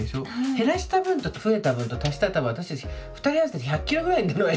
減らした分と増えた分と足したら私たち２人合わせて１００キロぐらいになるわよ